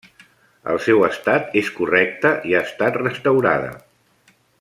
El seu estat és correcte i ha estat restaurada.